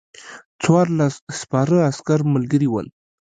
څوارلس سپاره عسکر ملګري ول.